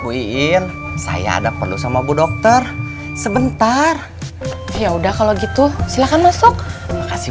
uin saya ada perlu sama bu dokter sebentar ya udah kalau gitu silakan masuk kasih